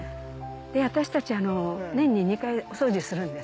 私たち年に２回お掃除するんです。